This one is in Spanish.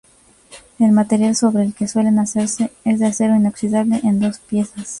El material sobre el que suelen hacerse es de acero inoxidable en dos piezas.